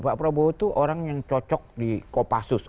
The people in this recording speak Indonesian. pak prabowo itu orang yang cocok di kopassus